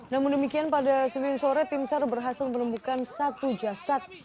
namun demikian pada seling sore timsar berhasil menemukan satu jasad